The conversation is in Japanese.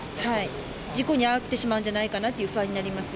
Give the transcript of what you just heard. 事故に遭ってしまうんじゃないかなっていう不安になります。